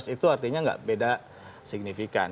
dua belas dua belas itu artinya tidak beda signifikan